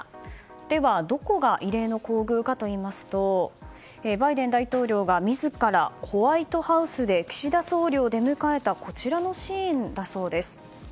では、どこが異例の厚遇かといいますとバイデン大統領が自らホワイトハウスで岸田総理を出迎えたシーンだそうです。